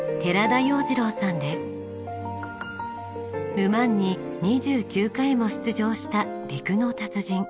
ル・マンに２９回も出場した陸の達人。